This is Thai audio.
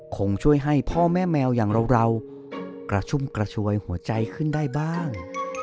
คงช่วยให้พ่อแม่แมวอย่างเรากระชุ่มกระชวยหัวใจขึ้นได้บ้าง